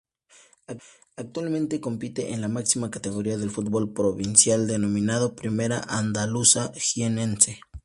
Actualmente compite en la máxima categoría del fútbol provincial denominada Primera Andaluza Jienense.